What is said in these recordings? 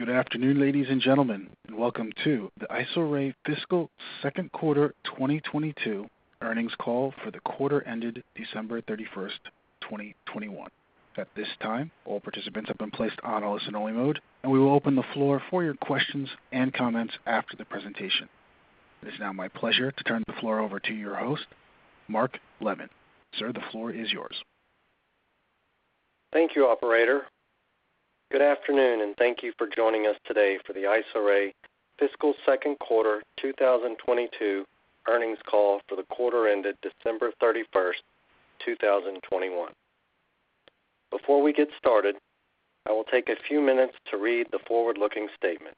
Good afternoon, ladies and gentlemen. Welcome to the Isoray Fiscal Second Quarter 2022 Earnings Call for the quarter ended December 31, 2021. At this time, all participants have been placed on a listen only mode, and we will open the floor for your questions and comments after the presentation. It is now my pleasure to turn the floor over to your host, Mark Levin. Sir, the floor is yours. Thank you, operator. Good afternoon, and thank you for joining us today for the Isoray Fiscal Second Quarter 2022 Earnings Call for the quarter ended December 31, 2021. Before we get started, I will take a few minutes to read the forward-looking statement.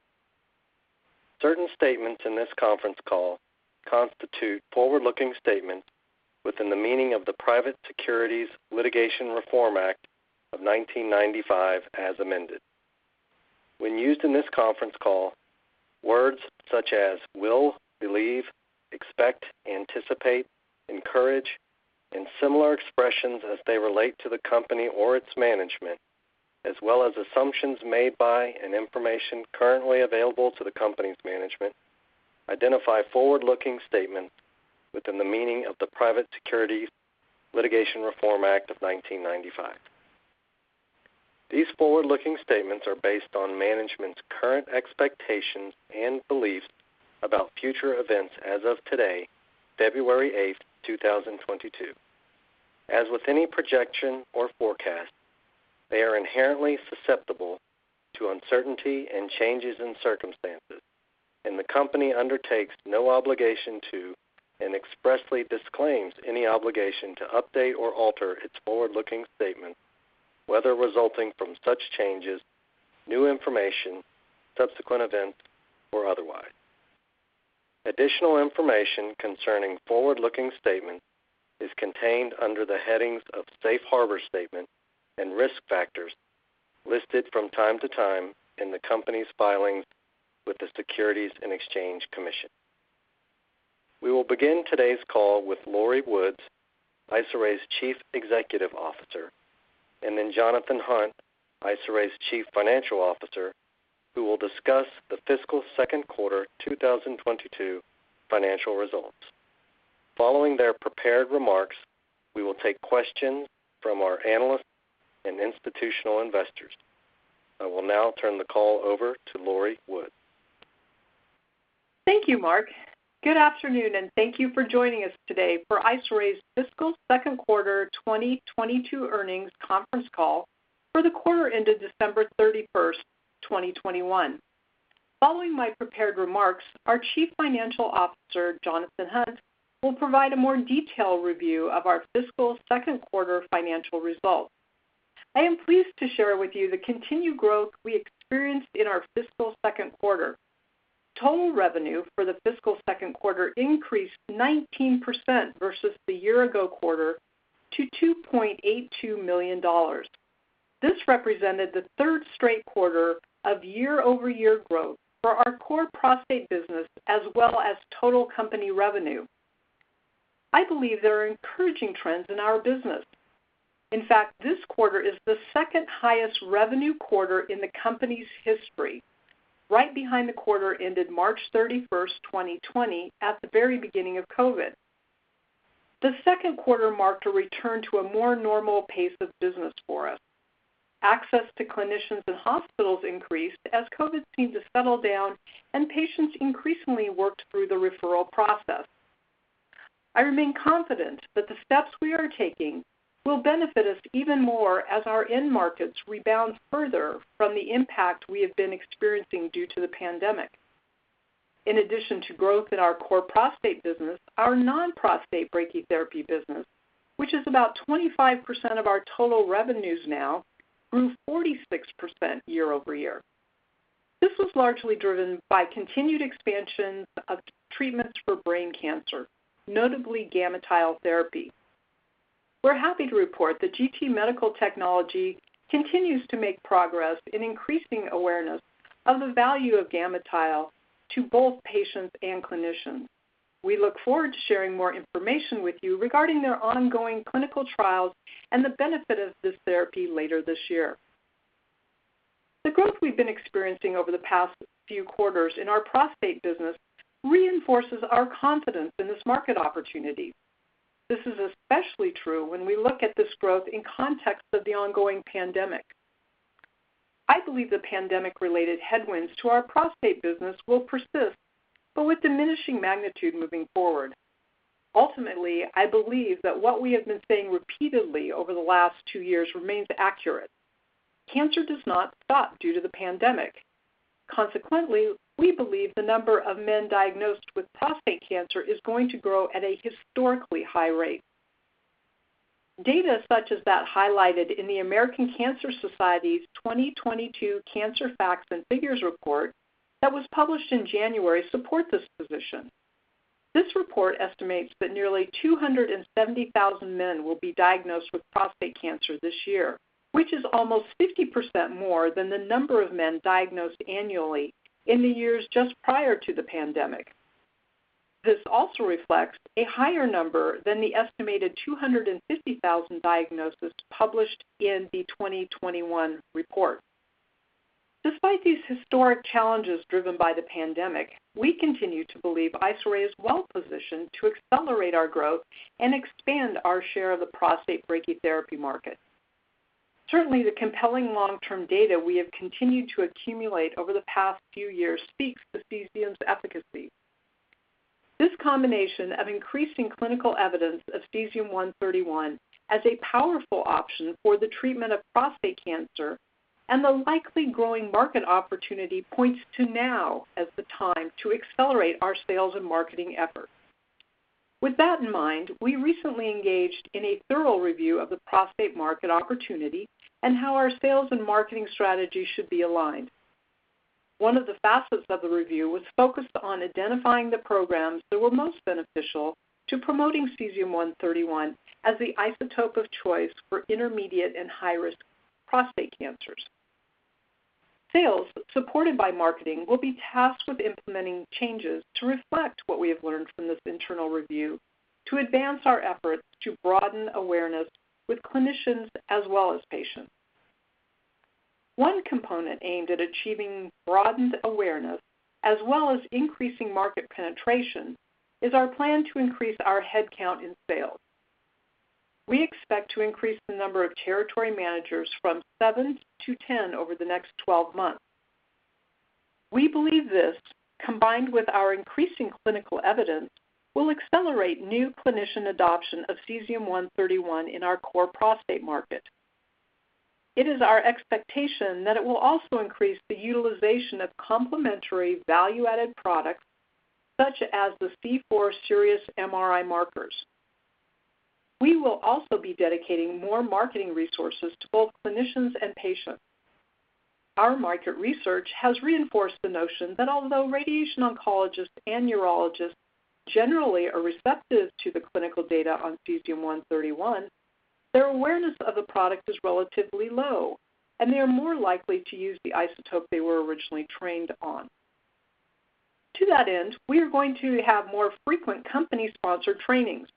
Certain statements in this conference call constitute forward-looking statements within the meaning of the Private Securities Litigation Reform Act of 1995 as amended. When used in this conference call, words such as will, believe, expect, anticipate, encourage, and similar expressions as they relate to the company or its management, as well as assumptions made by and information currently available to the company's management, identify forward-looking statements within the meaning of the Private Securities Litigation Reform Act of 1995. These forward-looking statements are based on management's current expectations and beliefs about future events as of today, February 8, 2022. As with any projection or forecast, they are inherently susceptible to uncertainty and changes in circumstances. The company undertakes no obligation to and expressly disclaims any obligation to update or alter its forward-looking statement, whether resulting from such changes, new information, subsequent events, or otherwise. Additional information concerning forward-looking statement is contained under the headings of Safe Harbor Statement and Risk Factors listed from time to time in the company's filings with the Securities and Exchange Commission. We will begin today's call with Lori Woods, Isoray's Chief Executive Officer, and then Jonathan Hunt, Isoray's Chief Financial Officer, who will discuss the fiscal second quarter 2022 financial results. Following their prepared remarks, we will take questions from our analysts and institutional investors. I will now turn the call over to Lori Woods. Thank you, Mark. Good afternoon, and thank you for joining us today for Isoray's Fiscal Second Quarter 2022 Earnings Conference Call for the quarter ended December 31, 2021. Following my prepared remarks, our Chief Financial Officer, Jonathan Hunt, will provide a more detailed review of our fiscal second quarter financial results. I am pleased to share with you the continued growth we experienced in our fiscal second quarter. Total revenue for the fiscal second quarter increased 19% versus the year ago quarter to $2.82 million. This represented the third straight quarter of year-over-year growth for our core prostate business, as well as total company revenue. I believe there are encouraging trends in our business. In fact, this quarter is the second highest revenue quarter in the company's history, right behind the quarter ended March 31, 2020, at the very beginning of COVID. The second quarter marked a return to a more normal pace of business for us. Access to clinicians and hospitals increased as COVID seemed to settle down and patients increasingly worked through the referral process. I remain confident that the steps we are taking will benefit us even more as our end markets rebound further from the impact we have been experiencing due to the pandemic. In addition to growth in our core prostate business, our non-prostate brachytherapy business, which is about 25% of our total revenues now, grew 46% year-over-year. This was largely driven by continued expansions of treatments for brain cancer, notably GammaTile Therapy. We're happy to report that GT Medical Technologies continues to make progress in increasing awareness of the value of GammaTile to both patients and clinicians. We look forward to sharing more information with you regarding their ongoing clinical trials and the benefit of this therapy later this year. The growth we've been experiencing over the past few quarters in our prostate business reinforces our confidence in this market opportunity. This is especially true when we look at this growth in context of the ongoing pandemic. I believe the pandemic-related headwinds to our prostate business will persist, but with diminishing magnitude moving forward. Ultimately, I believe that what we have been saying repeatedly over the last two years remains accurate. Cancer does not stop due to the pandemic. Consequently, we believe the number of men diagnosed with prostate cancer is going to grow at a historically high rate. Data such as that highlighted in the American Cancer Society's 2022 Cancer Facts and Figures report that was published in January support this position. This report estimates that nearly 270,000 men will be diagnosed with prostate cancer this year, which is almost 50% more than the number of men diagnosed annually in the years just prior to the pandemic. This also reflects a higher number than the estimated 250,000 diagnoses published in the 2021 report. Despite these historic challenges driven by the pandemic, we continue to believe Isoray is well-positioned to accelerate our growth and expand our share of the prostate brachytherapy market. Certainly, the compelling long-term data we have continued to accumulate over the past few years speaks to Cesium's efficacy. This combination of increasing clinical evidence of Cesium-131 as a powerful option for the treatment of prostate cancer and the likely growing market opportunity points to now as the time to accelerate our sales and marketing efforts. With that in mind, we recently engaged in a thorough review of the prostate market opportunity and how our sales and marketing strategy should be aligned. One of the facets of the review was focused on identifying the programs that were most beneficial to promoting Cesium-131 as the isotope of choice for intermediate and high-risk prostate cancers. Sales, supported by marketing, will be tasked with implementing changes to reflect what we have learned from this internal review to advance our efforts to broaden awareness with clinicians as well as patients. One component aimed at achieving broadened awareness as well as increasing market penetration is our plan to increase our head count in sales. We expect to increase the number of territory managers from seven to 10 over the next 12 months. We believe this, combined with our increasing clinical evidence, will accelerate new clinician adoption of Cesium-131 in our core prostate market. It is our expectation that it will also increase the utilization of complementary value-added products, such as the C4 Sirius MRI markers. We will also be dedicating more marketing resources to both clinicians and patients. Our market research has reinforced the notion that although radiation oncologists and neurologists generally are receptive to the clinical data on Cesium-131, their awareness of the product is relatively low, and they are more likely to use the isotope they were originally trained on. To that end, we are going to have more frequent company-sponsored trainings.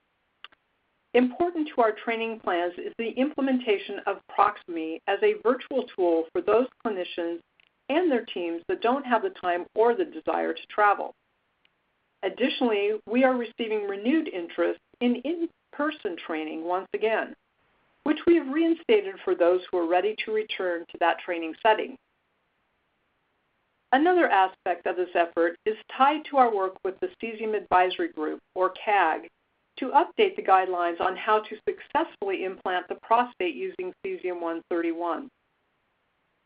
Important to our training plans is the implementation of Proximie as a virtual tool for those clinicians and their teams that don't have the time or the desire to travel. Additionally, we are receiving renewed interest in in-person training once again, which we have reinstated for those who are ready to return to that training setting. Another aspect of this effort is tied to our work with the Cesium Advisory Group, or CAG, to update the guidelines on how to successfully implant the prostate using Cesium-131.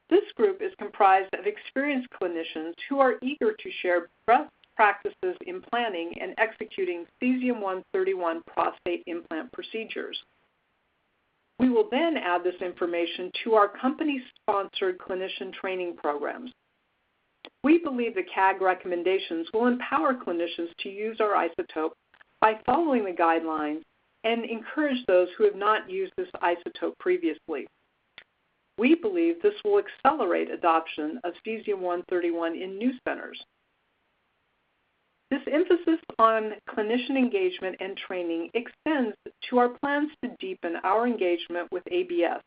This group is comprised of experienced clinicians who are eager to share best practices in planning and executing Cesium-131 prostate implant procedures. We will then add this information to our company-sponsored clinician training programs. We believe the CAG recommendations will empower clinicians to use our isotope by following the guidelines and encourage those who have not used this isotope previously. We believe this will accelerate adoption of Cesium-131 in new centers. This emphasis on clinician engagement and training extends to our plans to deepen our engagement with ABS,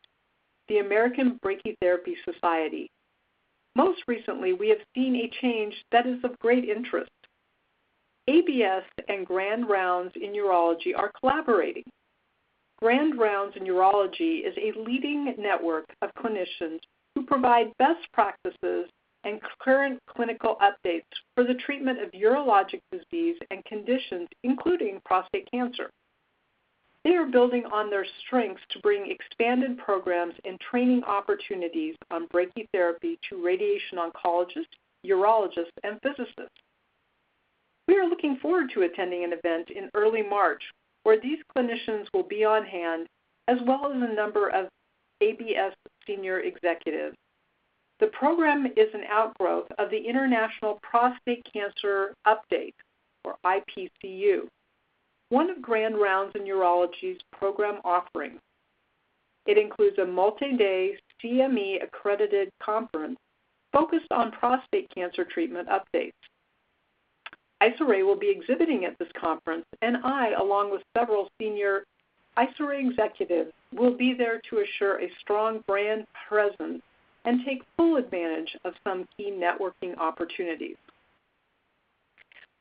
the American Brachytherapy Society. Most recently, we have seen a change that is of great interest. ABS and Grand Rounds in Urology are collaborating. Grand Rounds in Urology is a leading network of clinicians who provide best practices and current clinical updates for the treatment of urologic disease and conditions, including prostate cancer. They are building on their strengths to bring expanded programs and training opportunities on brachytherapy to radiation oncologists, urologists, and physicists. We are looking forward to attending an event in early March where these clinicians will be on hand, as well as a number of ABS senior executives. The program is an outgrowth of the International Prostate Cancer Update, or IPCU, one of Grand Rounds in Urology's program offerings. It includes a multi-day CME-accredited conference focused on prostate cancer treatment updates. Isoray will be exhibiting at this conference, and I, along with several senior Isoray executives, will be there to assure a strong brand presence and take full advantage of some key networking opportunities.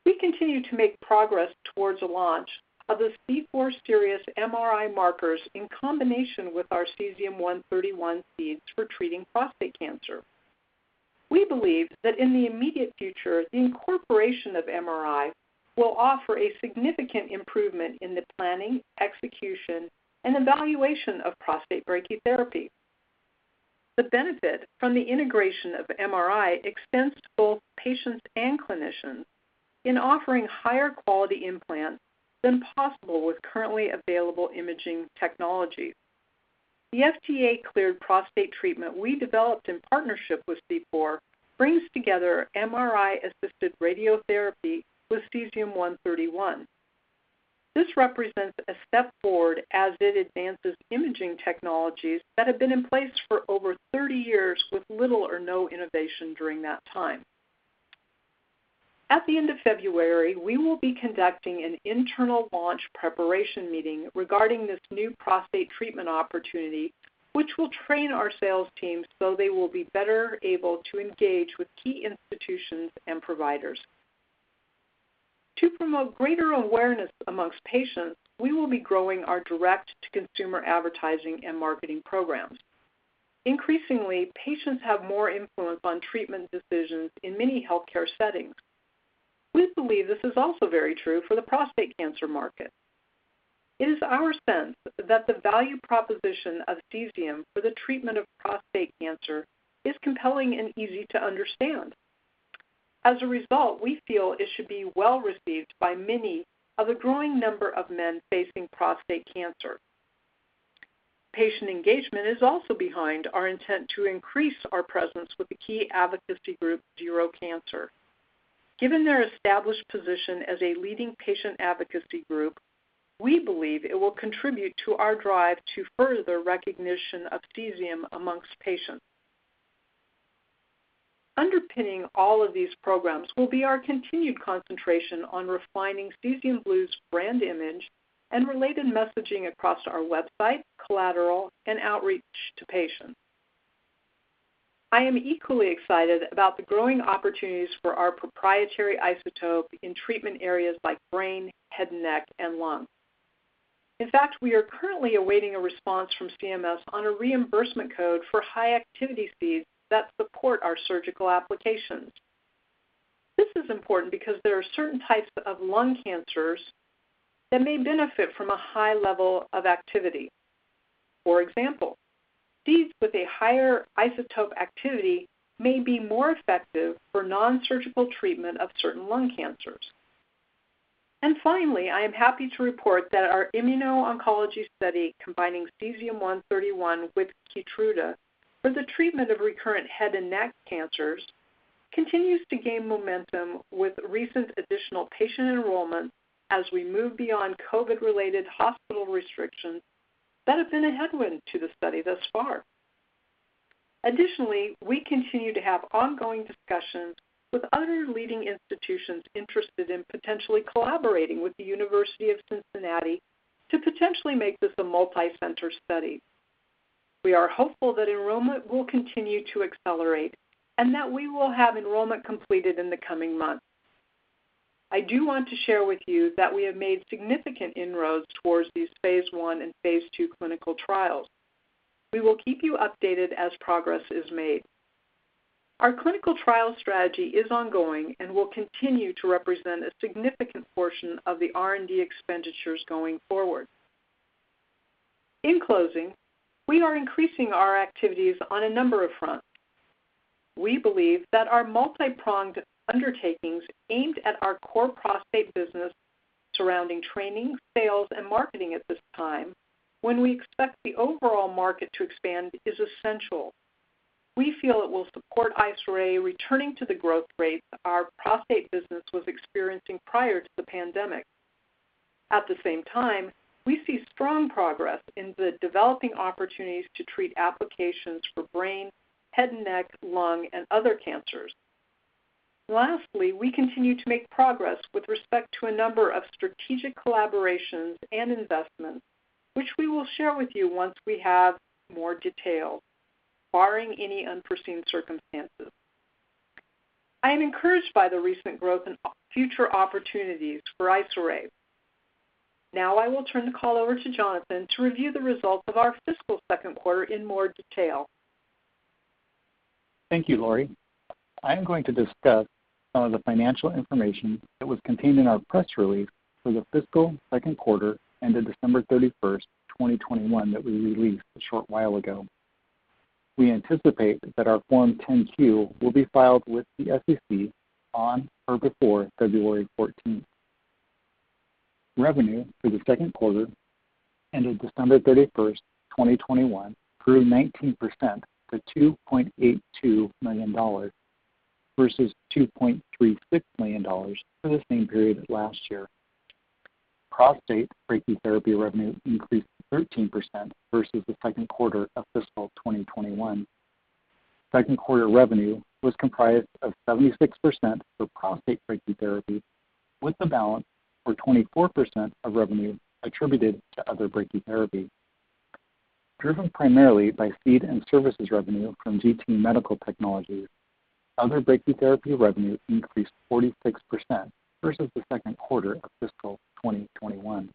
We continue to make progress towards a launch of the C4 Sirius MRI markers in combination with our cesium-131 seeds for treating prostate cancer. We believe that in the immediate future, the incorporation of MRI will offer a significant improvement in the planning, execution, and evaluation of prostate brachytherapy. The benefit from the integration of MRI extends to both patients and clinicians in offering higher quality implants than possible with currently available imaging technologies. The FDA-cleared prostate treatment we developed in partnership with C4 Imaging brings together MRI-assisted radiotherapy with Cesium-131. This represents a step forward as it advances imaging technologies that have been in place for over 30 years with little or no innovation during that time. At the end of February, we will be conducting an internal launch preparation meeting regarding this new prostate treatment opportunity, which will train our sales teams so they will be better able to engage with key institutions and providers. To promote greater awareness among patients, we will be growing our direct-to-consumer advertising and marketing programs. Increasingly, patients have more influence on treatment decisions in many healthcare settings. We believe this is also very true for the prostate cancer market. It is our sense that the value proposition of Cesium for the treatment of prostate cancer is compelling and easy to understand. As a result, we feel it should be well-received by many of the growing number of men facing prostate cancer. Patient engagement is also behind our intent to increase our presence with the key advocacy group, ZERO Prostate Cancer. Given their established position as a leading patient advocacy group, we believe it will contribute to our drive to further recognition of cesium amongst patients. Underpinning all of these programs will be our continued concentration on refining Cesium Blu's brand image and related messaging across our website, collateral, and outreach to patients. I am equally excited about the growing opportunities for our proprietary isotope in treatment areas like brain, head and neck, and lung. In fact, we are currently awaiting a response from CMS on a reimbursement code for high-activity seeds that support our surgical applications. This is important because there are certain types of lung cancers that may benefit from a high level of activity. For example, seeds with a higher isotope activity may be more effective for non-surgical treatment of certain lung cancers. Finally, I am happy to report that our immuno-oncology study combining Cesium-131 with Keytruda for the treatment of recurrent head and neck cancers continues to gain momentum with recent additional patient enrollment as we move beyond COVID-related hospital restrictions that have been a headwind to the study thus far. Additionally, we continue to have ongoing discussions with other leading institutions interested in potentially collaborating with the University of Cincinnati to potentially make this a multi-center study. We are hopeful that enrollment will continue to accelerate and that we will have enrollment completed in the coming months. I do want to share with you that we have made significant inroads towards these phase I and phase II clinical trials. We will keep you updated as progress is made. Our clinical trial strategy is ongoing and will continue to represent a significant portion of the R&D expenditures going forward. In closing, we are increasing our activities on a number of fronts. We believe that our multi-pronged undertakings aimed at our core prostate business surrounding training, sales, and marketing at this time when we expect the overall market to expand is essential. We feel it will support Isoray returning to the growth rate our prostate business was experiencing prior to the pandemic. At the same time, we see strong progress in the developing opportunities to treat applications for brain, head and neck, lung, and other cancers. Lastly, we continue to make progress with respect to a number of strategic collaborations and investments, which we will share with you once we have more details, barring any unforeseen circumstances. I am encouraged by the recent growth and future opportunities for Isoray. Now I will turn the call over to Jonathan to review the results of our fiscal second quarter in more detail. Thank you, Lori. I am going to discuss some of the financial information that was contained in our press release for the fiscal second quarter ended December 31, 2021 that we released a short while ago. We anticipate that our Form 10-Q will be filed with the SEC on or before February 14. Revenue for the second quarter ended December 31, 2021 grew 19% to $2.82 million versus $2.36 million for the same period last year. Prostate brachytherapy revenue increased 13% versus the second quarter of fiscal 2021. Second quarter revenue was comprised of 76% for prostate brachytherapy, with the balance for 24% of revenue attributed to other brachytherapy. Driven primarily by seed and services revenue from GT Medical Technologies, other brachytherapy revenue increased 46% versus the second quarter of fiscal 2021.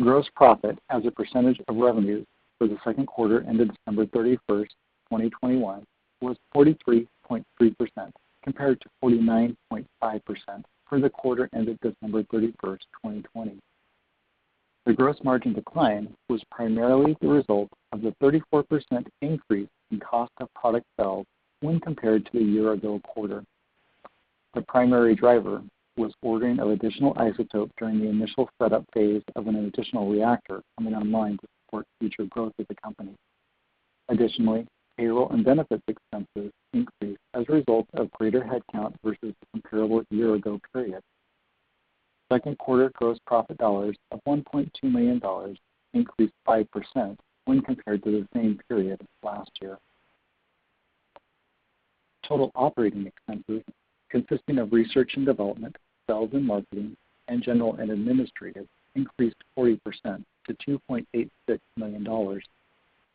Gross profit as a percentage of revenue for the second quarter ended December 31, 2021 was 43.3%, compared to 49.5% for the quarter ended December 31, 2020. The gross margin decline was primarily the result of the 34% increase in cost of product sales when compared to the year-ago quarter. The primary driver was ordering of additional isotope during the initial setup phase of an additional reactor coming online to support future growth of the company. Additionally, payroll and benefits expenses increased as a result of greater headcount versus the comparable year ago period. Second quarter gross profit dollars of $1.2 million increased 5% when compared to the same period last year. Total operating expenses, consisting of research and development, sales and marketing, and general and administrative, increased 40% to $2.86 million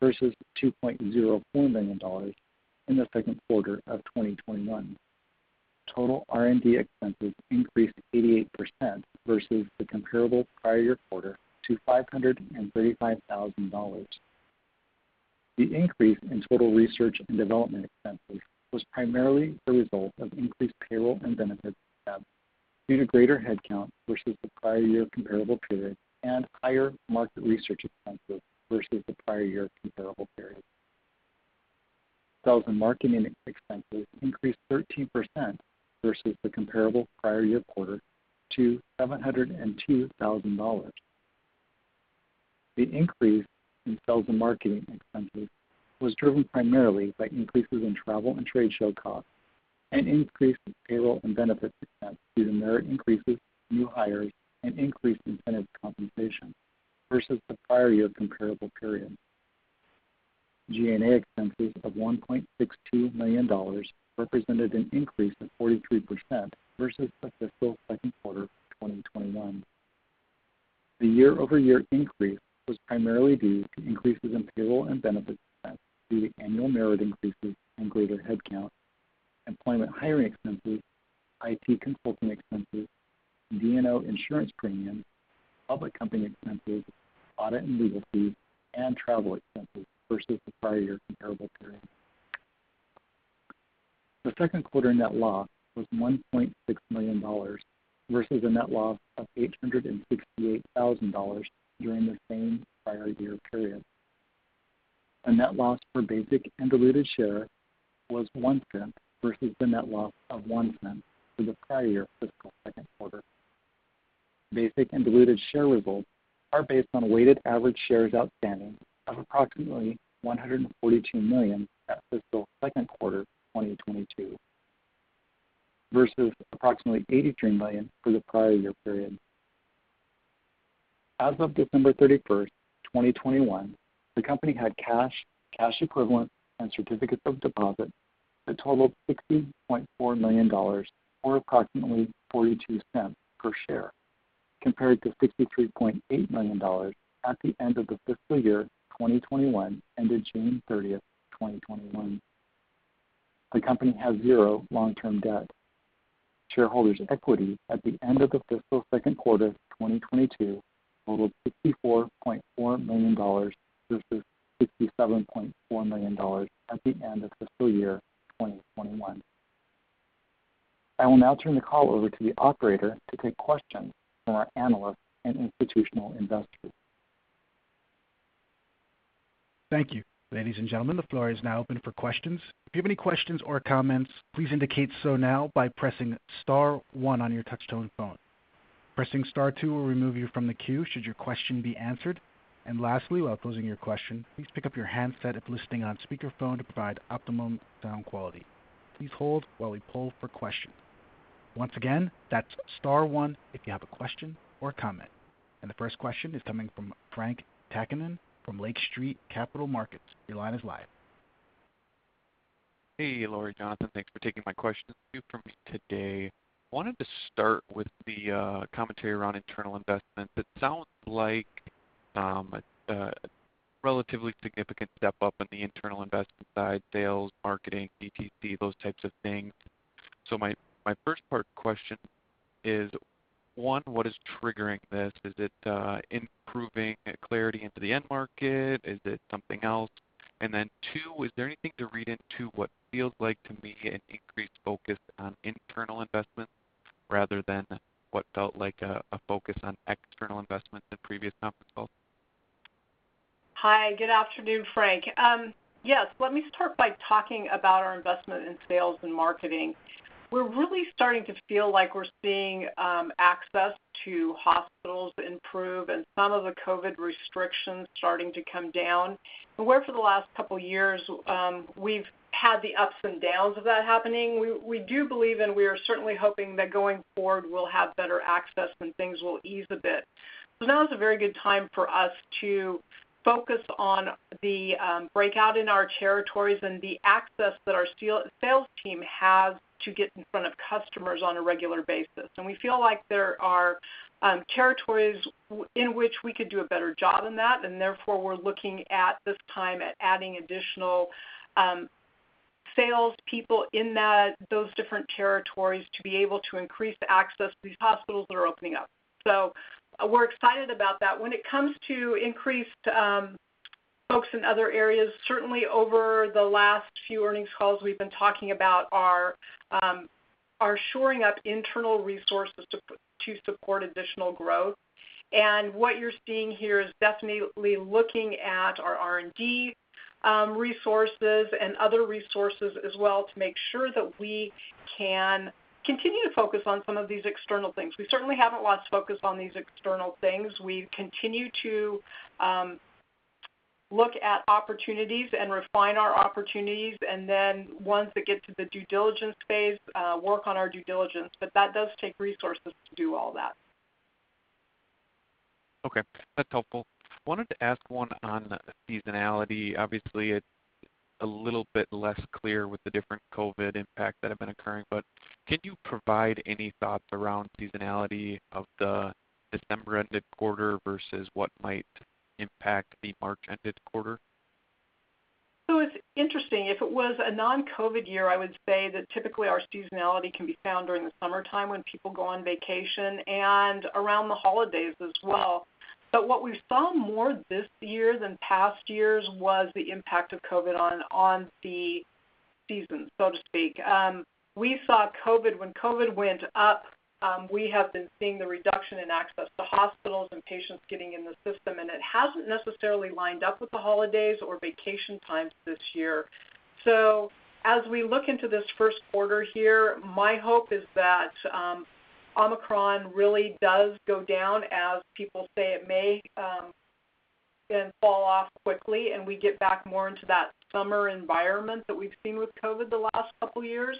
versus $2.04 million in the second quarter of 2021. Total R&D expenses increased 88% versus the comparable prior year quarter to $535,000. The increase in total research and development expenses was primarily a result of increased payroll and benefits spent due to greater headcount versus the prior year comparable period and higher market research expenses versus the prior year comparable period. Sales and marketing expenses increased 13% versus the comparable prior year quarter to $702,000. The increase in sales and marketing expenses was driven primarily by increases in travel and trade show costs and increases in payroll and benefits expense due to merit increases, new hires, and increased incentive compensation versus the prior year comparable period. G&A expenses of $1.62 million represented an increase of 43% versus the fiscal second quarter of 2021. The year-over-year increase was primarily due to increases in payroll and benefits spent due to annual merit increases and greater headcount, employment hiring expenses, IT consulting expenses, D&O insurance premiums, public company expenses, audit and legal fees, and travel expenses versus the prior year comparable period. The second quarter net loss was $1.6 million versus a net loss of $868,000 during the same prior year period. The net loss per basic and diluted share was $0.01 versus the net loss of $0.01 for the prior year fiscal second quarter. Basic and diluted share results are based on weighted average shares outstanding of approximately 142 million at fiscal second quarter 2022 versus approximately 83 million for the prior year period. As of December 31, 2021, the company had cash equivalents, and certificates of deposit that totaled $60.4 million or approximately $0.42 per share, compared to $63.8 million at the end of the fiscal year 2021, ended June 30, 2021. The company has $0 long-term debt. Shareholders' equity at the end of the fiscal second quarter 2022 totaled $64.4 million versus $67.4 million at the end of fiscal year 2021. I will now turn the call over to the operator to take questions from our analysts and institutional investors. Thank you. Ladies and gentlemen, the floor is now open for questions. If you have any questions or comments, please indicate so now by pressing star one on your touch-tone phone. Pressing star two will remove you from the queue should your question be answered. And lastly, while posing your question, please pick up your handset if listening on speakerphone to provide optimum sound quality. Please hold while we poll for questions. Once again, that's star one if you have a question or comment. The first question is coming from Frank Takkinen from Lake Street Capital Markets. Your line is live. Hey, Lori, Jonathan. Thanks for taking my questions for me today. I wanted to start with the commentary around internal investment. It sounds like a relatively significant step up in the internal investment side, sales, marketing, DTC, those types of things. My first part question is, one, what is triggering this? Is it improving clarity into the end market? Is it something else? Then two, is there anything to read into what feels like to me an increased focus on internal investment rather than what felt like a focus on external investment in previous conference calls? Hi, good afternoon, Frank. Let me start by talking about our investment in sales and marketing. We're really starting to feel like we're seeing access to hospitals improve and some of the COVID restrictions starting to come down. Where for the last couple years, we've had the ups and downs of that happening, we do believe and we are certainly hoping that going forward we'll have better access and things will ease a bit. Now is a very good time for us to focus on the breakout in our territories and the access that our sales team has to get in front of customers on a regular basis. We feel like there are territories within which we could do a better job than that, and therefore, we're looking at this time at adding additional sales people in those different territories to be able to increase the access to these hospitals that are opening up. We're excited about that. When it comes to increased folks in other areas, certainly over the last few earnings calls, we've been talking about our shoring up internal resources to support additional growth. What you're seeing here is definitely looking at our R&D resources and other resources as well to make sure that we can continue to focus on some of these external things. We certainly haven't lost focus on these external things. We continue to look at opportunities and refine our opportunities, and then once it gets to the due diligence phase, work on our due diligence. That does take resources to do all that. Okay, that's helpful. I wanted to ask one on seasonality. Obviously, it's a little bit less clear with the different COVID impact that have been occurring, but can you provide any thoughts around seasonality of the December-ended quarter versus what might impact the March-ended quarter? It's interesting. If it was a non-COVID year, I would say that typically our seasonality can be found during the summertime when people go on vacation and around the holidays as well. What we saw more this year than past years was the impact of COVID on the season, so to speak. When COVID went up, we have been seeing the reduction in access to hospitals and patients getting in the system, and it hasn't necessarily lined up with the holidays or vacation times this year. As we look into this first quarter here, my hope is that Omicron really does go down as people say it may, and fall off quickly and we get back more into that summer environment that we've seen with COVID the last couple years.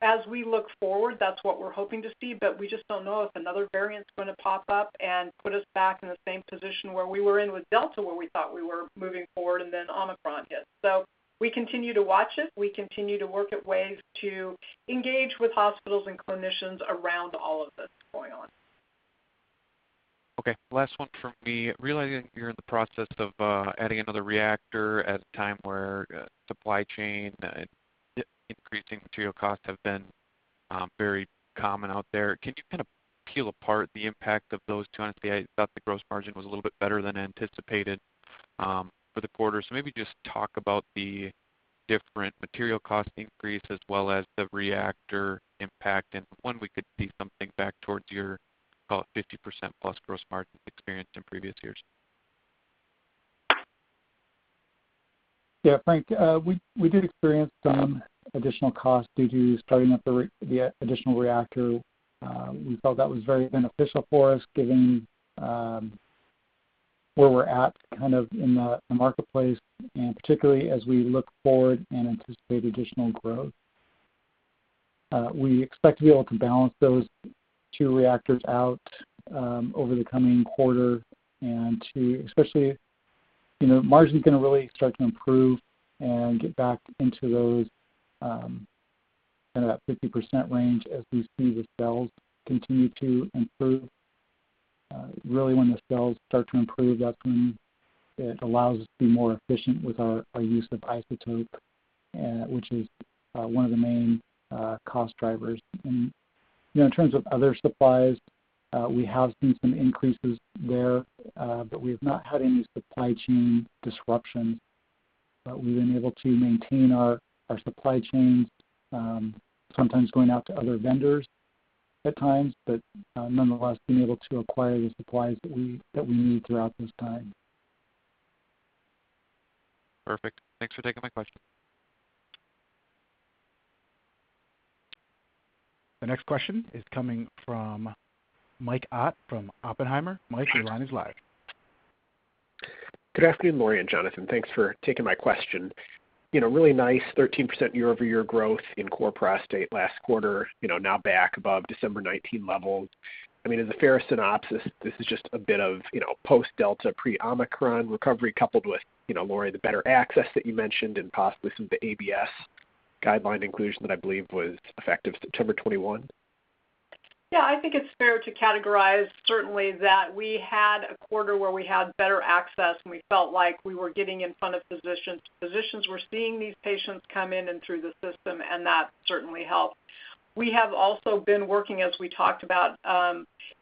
As we look forward, that's what we're hoping to see, but we just don't know if another variant's gonna pop up and put us back in the same position where we were in with Delta, where we thought we were moving forward and then Omicron hit. We continue to watch it. We continue to work at ways to engage with hospitals and clinicians around all of this going on. Okay, last one for me. Realizing you're in the process of adding another reactor at a time where supply chain increasing material costs have been very common out there, can you kind of peel apart the impact of those two? Honestly, I thought the gross margin was a little bit better than anticipated for the quarter. Maybe just talk about the different material cost increase as well as the reactor impact and when we could see something back towards your about 50%+ gross margin experienced in previous years. Yeah, Frank, we did experience some additional costs due to starting up the additional reactor. We felt that was very beneficial for us given where we're at kind of in the marketplace, and particularly as we look forward and anticipate additional growth. We expect to be able to balance those two reactors out over the coming quarter. Especially, you know, margin's gonna really start to improve and get back into those kind of that 50% range as we see the sales continue to improve. Really when the sales start to improve, that's when it allows us to be more efficient with our use of isotope, which is one of the main cost drivers. You know, in terms of other supplies, we have seen some increases there, but we have not had any supply chain disruptions. We've been able to maintain our supply chains, sometimes going out to other vendors at times, but nonetheless, being able to acquire the supplies that we need throughout this time. Perfect. Thanks for taking my question. The next question is coming from Mike Ott from Oppenheimer. Mike, your line is live. Good afternoon, Lori and Jonathan. Thanks for taking my question. You know, really nice 13% year-over-year growth in core prostate last quarter, you know, now back above December 2019 levels. I mean, is it a fair synopsis this is just a bit of, you know, post Delta, pre Omicron recovery coupled with, you know, Lori, the better access that you mentioned and possibly some of the ABS guideline inclusion that I believe was effective September 2021? Yeah, I think it's fair to categorize certainly that we had a quarter where we had better access, and we felt like we were getting in front of physicians. Physicians were seeing these patients come in and through the system, and that certainly helped. We have also been working, as we talked about,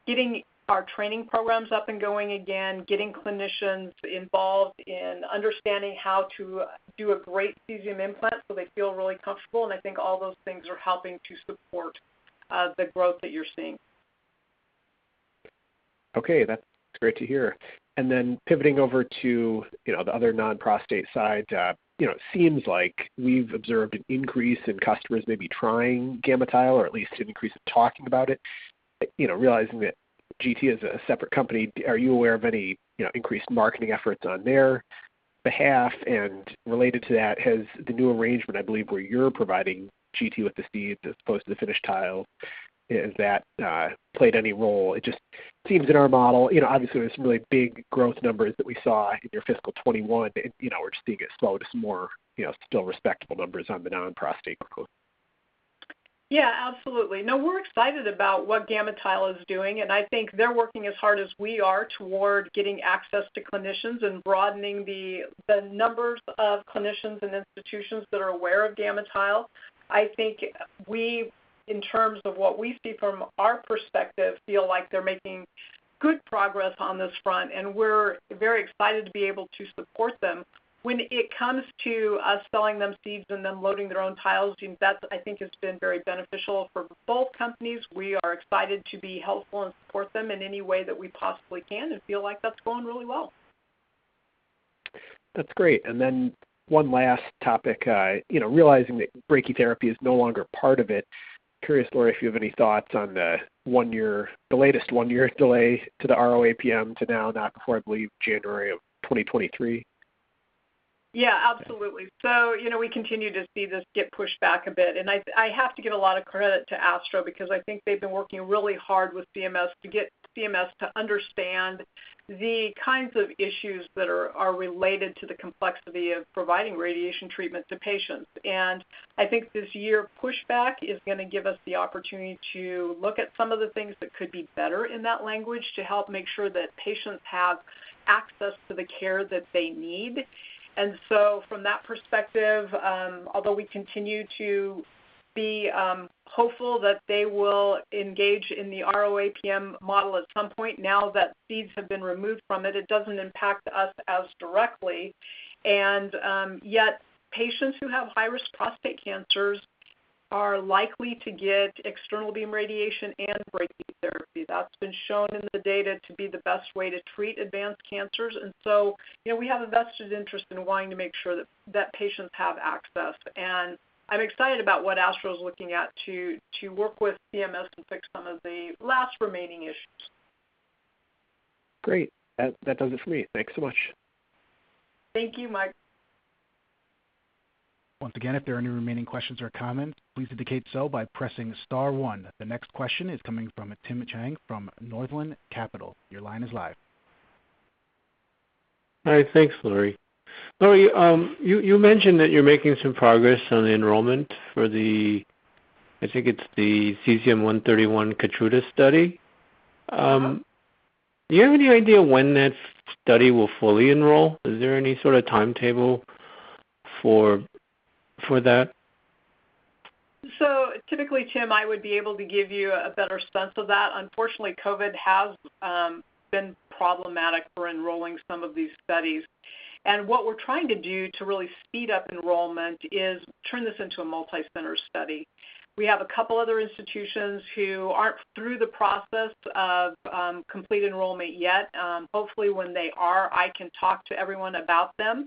getting our training programs up and going again, getting clinicians involved in understanding how to do a great cesium implant so they feel really comfortable, and I think all those things are helping to support, the growth that you're seeing. Okay, that's great to hear. Pivoting over to, you know, the other non-prostate side, you know, it seems like we've observed an increase in customers maybe trying GammaTile or at least an increase in talking about it. You know, realizing that GT is a separate company, are you aware of any, you know, increased marketing efforts on their behalf? Related to that, has the new arrangement, I believe, where you're providing GT with the seeds as opposed to the finished tile, has that, played any role? It just seems in our model, you know, obviously there's some really big growth numbers that we saw in your fiscal 2021 that, you know, we're just seeing it slow to some more, you know, still respectable numbers on the non-prostate. Yeah, absolutely. No, we're excited about what GammaTile is doing, and I think they're working as hard as we are toward getting access to clinicians and broadening the numbers of clinicians and institutions that are aware of GammaTile. I think we, in terms of what we see from our perspective, feel like they're making good progress on this front, and we're very excited to be able to support them. When it comes to us selling them seeds and them loading their own tiles, that I think has been very beneficial for both companies. We are excited to be helpful and support them in any way that we possibly can and feel like that's going really well. That's great. One last topic, you know, realizing that brachytherapy is no longer part of it, curious, Lori, if you have any thoughts on the latest one-year delay to the RO-APM to now not before, I believe, January of 2023? Yeah, absolutely. You know, we continue to see this get pushed back a bit. I have to give a lot of credit to ASTRO because I think they've been working really hard with CMS to get CMS to understand the kinds of issues that are related to the complexity of providing radiation treatment to patients. I think this year, pushback is gonna give us the opportunity to look at some of the things that could be better in that language to help make sure that patients have access to the care that they need. From that perspective, although we continue to be hopeful that they will engage in the RO-APM model at some point now that seeds have been removed from it doesn't impact us as directly. Yet patients who have high-risk prostate cancers are likely to get external beam radiation and brachytherapy. That's been shown in the data to be the best way to treat advanced cancers. You know, we have a vested interest in wanting to make sure that patients have access. I'm excited about what ASTRO is looking at to work with CMS to fix some of the last remaining issues. Great. That does it for me. Thanks so much. Thank you, Mike. Once again, if there are any remaining questions or comments, please indicate so by pressing star one. The next question is coming from Tim Chiang from Northland Securities. Your line is live. Hi. Thanks, Lori. Lori, you mentioned that you're making some progress on the enrollment for the, I think it's the Cesium-131 Keytruda study. Do you have any idea when that study will fully enroll? Is there any sort of timetable for that? Typically, Tim, I would be able to give you a better sense of that. Unfortunately, COVID has been problematic for enrolling some of these studies. What we're trying to do to really speed up enrollment is turn this into a multi-center study. We have a couple other institutions who aren't through the process of complete enrollment yet. Hopefully when they are, I can talk to everyone about them.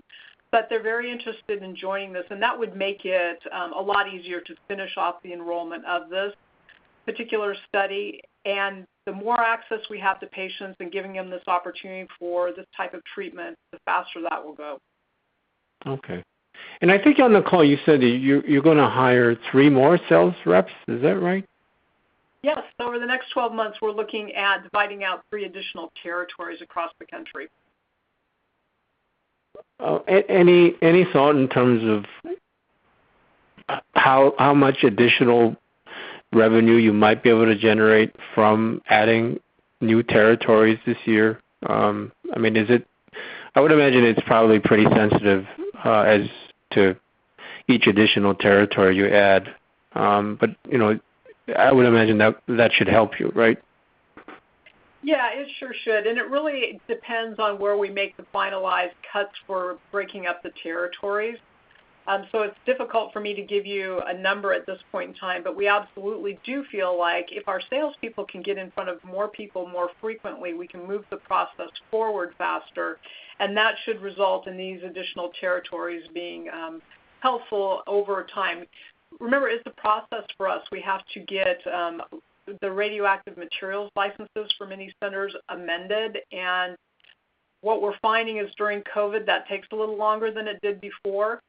They're very interested in joining this, and that would make it a lot easier to finish off the enrollment of this particular study. The more access we have to patients and giving them this opportunity for this type of treatment, the faster that will go. Okay. I think on the call you said that you're gonna hire three more sales reps. Is that right? Yes. Over the next 12 months, we're looking at dividing out three additional territories across the country. Any thought in terms of how much additional revenue you might be able to generate from adding new territories this year? I mean, I would imagine it's probably pretty sensitive as to each additional territory you add. You know, I would imagine that should help you, right? Yeah, it sure should. It really depends on where we make the finalized cuts for breaking up the territories. It's difficult for me to give you a number at this point in time, but we absolutely do feel like if our salespeople can get in front of more people more frequently, we can move the process forward faster, and that should result in these additional territories being helpful over time. Remember, it's a process for us. We have to get the radioactive materials licenses for many centers amended. What we're finding is during COVID, that takes a little longer than it did before.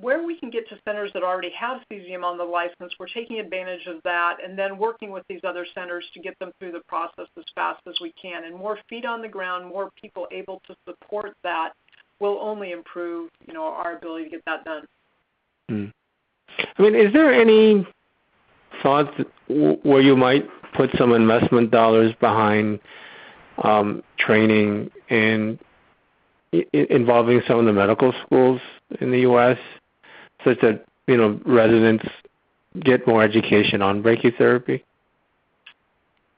Where we can get to centers that already have Cesium on the license, we're taking advantage of that and then working with these other centers to get them through the process as fast as we can. More feet on the ground, more people able to support that will only improve, you know, our ability to get that done. I mean, is there any thought where you might put some investment dollars behind, training and involving some of the medical schools in the U.S. so that, you know, residents get more education on brachytherapy?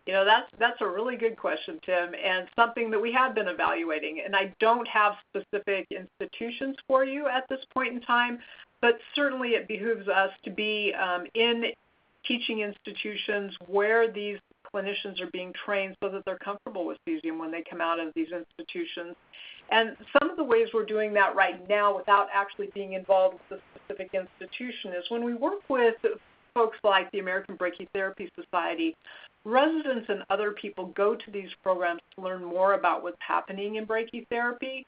You know, that's a really good question, Tim, and something that we have been evaluating, and I don't have specific institutions for you at this point in time, but certainly it behooves us to be in teaching institutions where these clinicians are being trained so that they're comfortable with cesium when they come out of these institutions. Some of the ways we're doing that right now without actually being involved with the specific institution is when we work with folks like the American Brachytherapy Society, residents and other people go to these programs to learn more about what's happening in brachytherapy,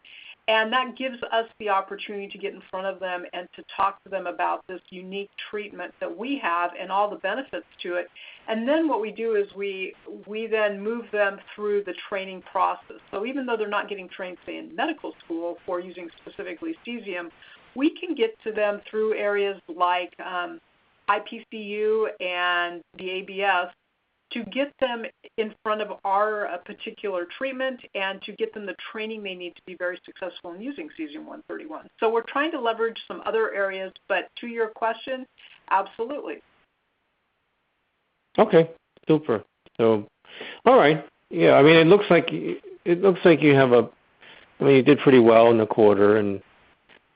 and that gives us the opportunity to get in front of them and to talk to them about this unique treatment that we have and all the benefits to it. What we do is we then move them through the training process. Even though they're not getting trained, say, in medical school for using specifically Cesium, we can get to them through areas like IPCU and the ABS to get them in front of our particular treatment and to get them the training they need to be very successful in using Cesium-131. We're trying to leverage some other areas. To your question, absolutely. I mean, it looks like you did pretty well in the quarter, and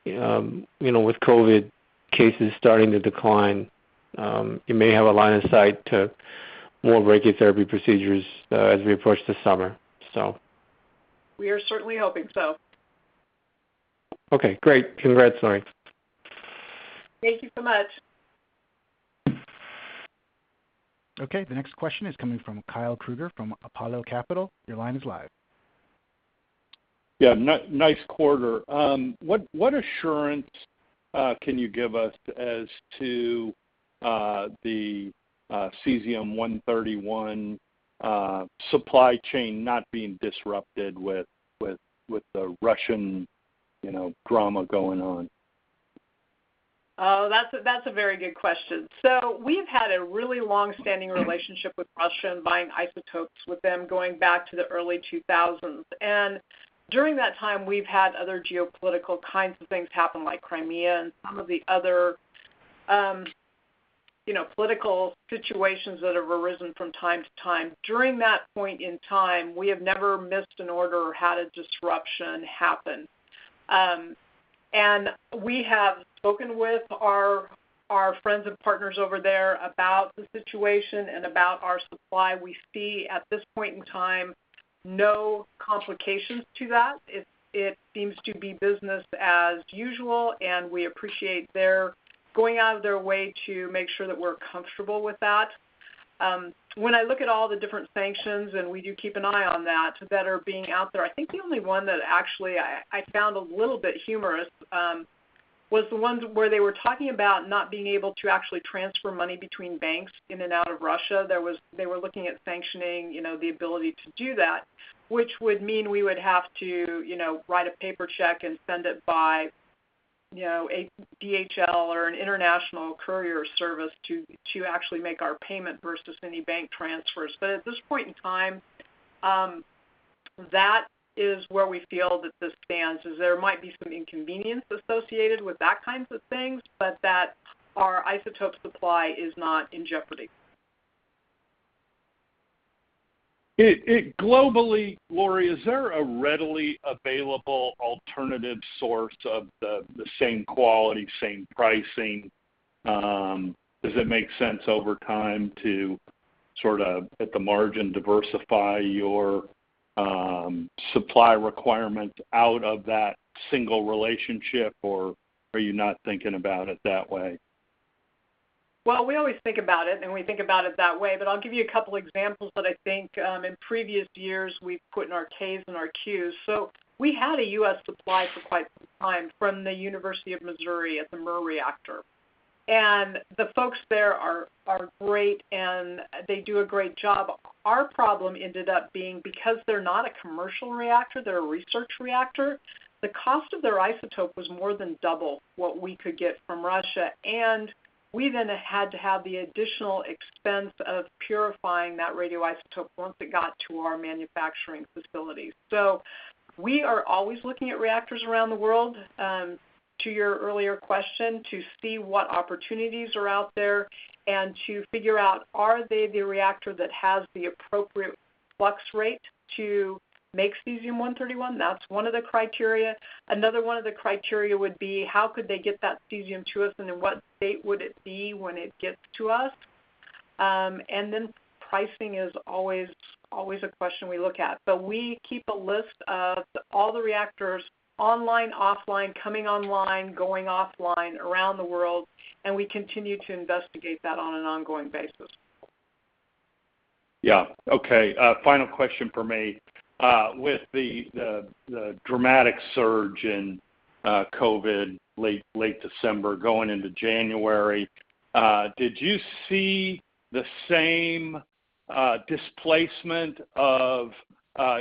you know, with COVID cases starting to decline, you may have a line of sight to more radiotherapy procedures, as we approach the summer. We are certainly hoping so. Okay, great. Congrats, Lori. Thank you so much. Okay, the next question is coming from Kyle Krueger from Apollo Capital. Your line is live. Yeah, nice quarter. What assurance can you give us as to the Cesium-131 supply chain not being disrupted with the Russian, you know, drama going on? Oh, that's a very good question. We've had a really long-standing relationship with Russia and buying isotopes with them going back to the early 2000s. During that time, we've had other geopolitical kinds of things happen, like Crimea and some of the other, you know, political situations that have arisen from time to time. During that point in time, we have never missed an order or had a disruption happen. We have spoken with our friends and partners over there about the situation and about our supply. We see at this point in time, no complications to that. It seems to be business as usual, and we appreciate their going out of their way to make sure that we're comfortable with that. When I look at all the different sanctions, and we do keep an eye on that are being out there, I think the only one that I actually found a little bit humorous was the ones where they were talking about not being able to actually transfer money between banks in and out of Russia. They were looking at sanctioning, you know, the ability to do that, which would mean we would have to, you know, write a paper check and send it by, you know, a DHL or an international courier service to actually make our payment versus any bank transfers. But at this point in time, that is where we feel that this stands. There might be some inconvenience associated with that kinds of things, but that our isotope supply is not in jeopardy. Globally, Lori, is there a readily available alternative source of the same quality, same pricing? Does it make sense over time to sort of at the margin diversify your supply requirement out of that single relationship, or are you not thinking about it that way? Well, we always think about it, and we think about it that way. I'll give you a couple examples that I think in previous years we've put in our K's and our Q's. We had a U.S. supply for quite some time from the University of Missouri at the MURR reactor. The folks there are great, and they do a great job. Our problem ended up being because they're not a commercial reactor, they're a research reactor, the cost of their isotope was more than double what we could get from Russia, and we then had to have the additional expense of purifying that radioisotope once it got to our manufacturing facility. We are always looking at reactors around the world, to your earlier question, to see what opportunities are out there and to figure out are they the reactor that has the appropriate flux rate to make Cesium-131. That's one of the criteria. Another one of the criteria would be how could they get that Cesium to us, and in what state would it be when it gets to us? And then pricing is always a question we look at. We keep a list of all the reactors online, offline, coming online, going offline around the world, and we continue to investigate that on an ongoing basis. Yeah. Okay. Final question from me. With the dramatic surge in COVID late December going into January, did you see the same displacement of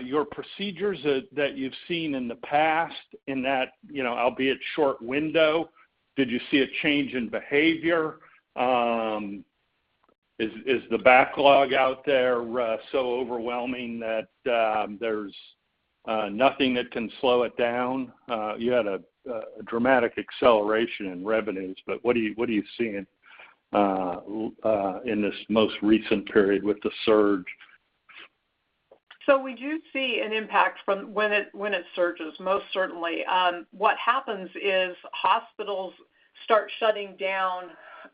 your procedures that you've seen in the past in that, you know, albeit short window? Did you see a change in behavior? Is the backlog out there so overwhelming that there's nothing that can slow it down? You had a dramatic acceleration in revenues, but what are you seeing in this most recent period with the surge? We do see an impact from when it surges, most certainly. What happens is hospitals start shutting down,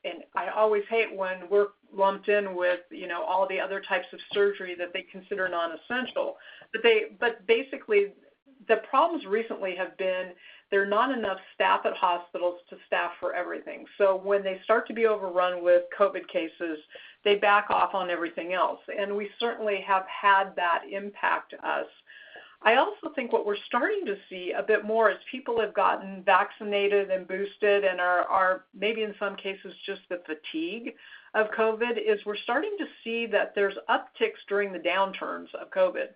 and I always hate when we're lumped in with, you know, all the other types of surgery that they consider non-essential. They basically, the problems recently have been there are not enough staff at hospitals to staff for everything. When they start to be overrun with COVID cases, they back off on everything else. We certainly have had that impact us. I also think what we're starting to see a bit more as people have gotten vaccinated and boosted and are maybe in some cases just the fatigue of COVID, is we're starting to see that there's upticks during the downturns of COVID.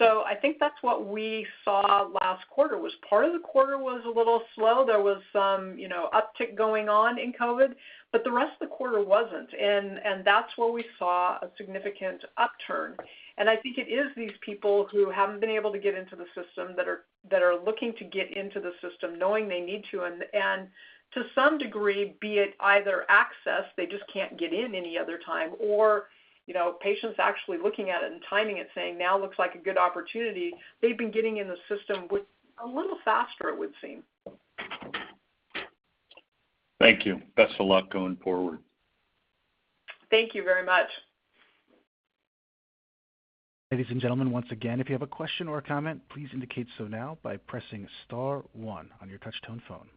I think that's what we saw last quarter, was part of the quarter was a little slow. There was some, you know, uptick going on in COVID, but the rest of the quarter wasn't. That's where we saw a significant upturn. I think it is these people who haven't been able to get into the system that are looking to get into the system knowing they need to. To some degree, be it either access, they just can't get in any other time or, you know, patients actually looking at it and timing it saying, "Now looks like a good opportunity." They've been getting into the system a little faster, it would seem. Thank you. Best of luck going forward. Thank you very much. Ladies and gentlemen, once again, if you have a question or a comment, please indicate so now by pressing star one on your touch tone phone.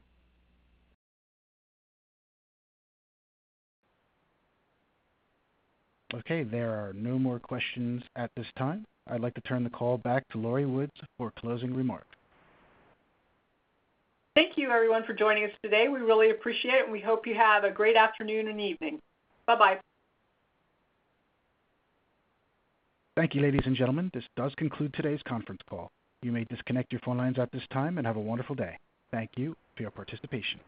Okay, there are no more questions at this time. I'd like to turn the call back to Lori Woods for closing remarks. Thank you everyone for joining us today. We really appreciate it, and we hope you have a great afternoon and evening. Bye-bye. Thank you, ladies and gentlemen. This does conclude today's conference call. You may disconnect your phone lines at this time and have a wonderful day. Thank you for your participation.